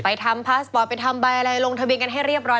ทำพาสปอร์ตไปทำใบอะไรลงทะเบียนกันให้เรียบร้อย